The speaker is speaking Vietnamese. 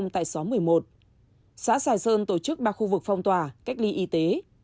tại xóm một mươi một xã sài sơn tổ chức ba khu vực phong tỏa cách ly y tế